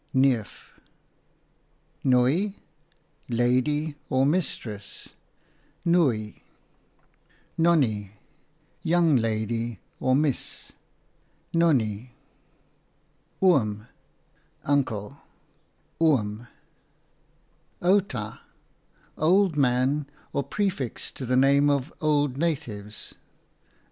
Nooi, lady or mistress. Nonnie, young lady, miss. Oom, uncle. Outa, old man, prefix to the name of old natives.